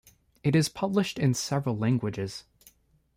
It is published in several languages.